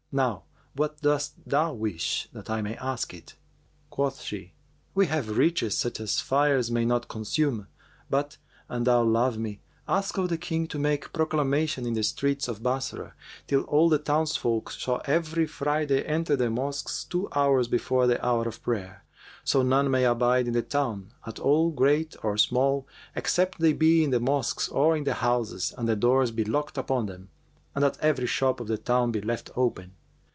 Now what dost thou wish, that I may ask it?' Quoth she, 'We have riches such as fires may not consume; but, an thou love me, ask of the King to make proclamation in the streets of Bassorah that all the townsfolk shall every Friday enter the mosques, two hours before the hour of prayer, so none may abide in the town at all great or small except they be in the mosques or in the houses and the doors be locked upon them, and that every shop of the town be left open.